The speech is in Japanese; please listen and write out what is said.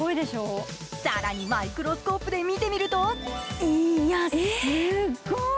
さらにマイクロスコープで見てみるといや、すごい。